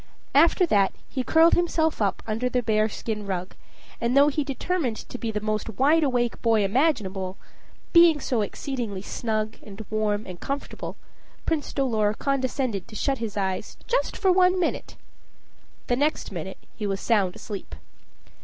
After that he curled himself up under the bear skin rug, and though he determined to be the most wide awake boy imaginable, being so exceedingly snug and warm and comfortable, Prince Dolor condescended to shut his eyes just for one minute. The next minute he was sound asleep.